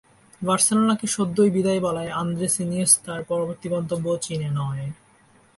বার্সেলোনাকে সদ্যই বিদায় বলা আন্দ্রেস ইনিয়েস্তার পরবর্তী গন্তব্য চীনে নয়।